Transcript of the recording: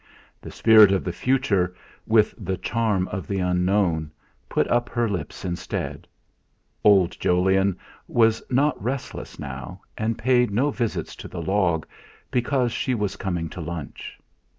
The spirit of the future, with the charm of the unknown, put up her lips instead. Old Jolyon was not restless now, and paid no visits to the log, because she was coming to lunch.